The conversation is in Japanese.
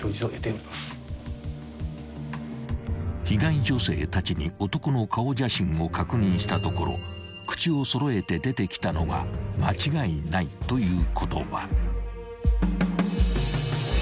［被害女性たちに男の顔写真を確認したところ口を揃えて出てきたのが「間違いない」という言葉］